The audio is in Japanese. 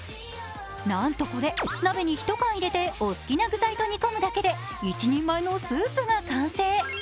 なんとこれ、鍋に１缶入れてお好きな具材と煮込むだけで１人前のスープが完成。